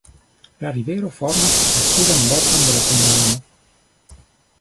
La rivero formas la sudan bordon de la komunumo.